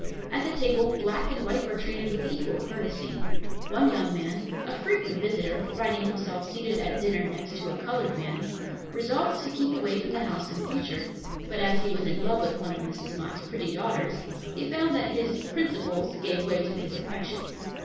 At the table black and white were treated with equal courtesy. One young man, a frequent visitor, finding himself seated at dinner next to a colored man, resolved to keep away from the house in future; but as he was in love with one of Mrs. Mott's pretty daughters, he found that his "principles" gave way to his affections.